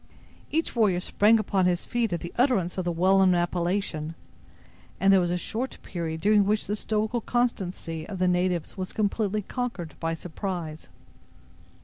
Each warrior sprang upon his feet at the utterance of the well known appellation, and there was a short period during which the stoical constancy of the natives was completely conquered by surprise.